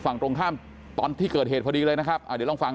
ฝั่งตรงข้ามตอนที่เกิดเหตุพอดีเลยนะครับอ่าเดี๋ยวลองฟัง